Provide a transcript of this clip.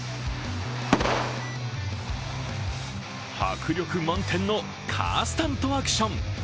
迫力満点のカースタントアクション。